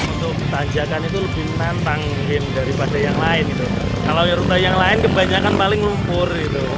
untuk tanjakan itu lebih menantang daripada yang lain kalau yang lain kebanyakan paling lumpur